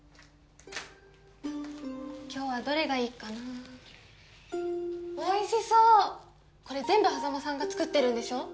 今日はどれがいっかなおいしそうこれ全部波佐間さんが作ってるんでしょ？